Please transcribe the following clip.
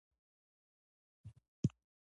له ورایه یې سلام وکړ.